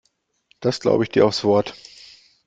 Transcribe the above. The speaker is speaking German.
Das glaube ich dir aufs Wort.